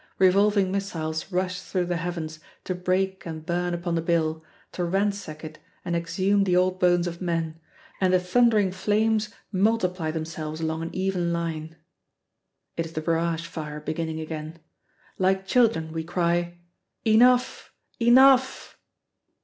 Revolving missiles rush through the heavens to break and burn upon the bill, to ransack it and exhume the old bones of men; and the thundering flames multiply themselves along an even line. It is the barrage fire beginning again. Like children we cry, "Enough, enough!"